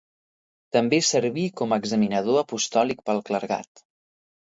També serví com a examinador apostòlic pel clergat.